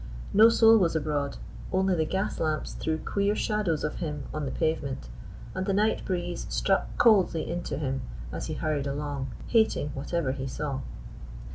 No soul was abroad: only the gas lamps threw queer shadows of him on the pavement, and the night breeze struck coldly into him as he hurried along, hating whatever he saw.